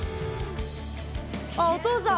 あお父さん！